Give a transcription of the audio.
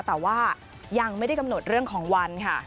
แต่ว่ายังไม่ได้กำหนดเรื่องของวันค่ะ